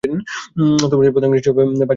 তন্মধ্যে প্রথম ইনিংসে পাঁচ উইকেট পেয়েছিলেন।